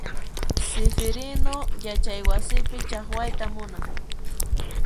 Sifirinu yachay wasipi chaqwayta munan.